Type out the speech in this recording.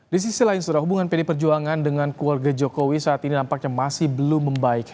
di sisi lain sudah hubungan pdi perjuangan dengan keluarga jokowi saat ini nampaknya masih belum membaik